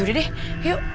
yaudah deh yuk